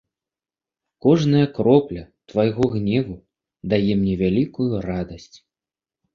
Кожная кропля твайго гневу дае мне вялікую радасць.